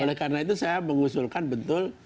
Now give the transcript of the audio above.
oleh karena itu saya mengusulkan betul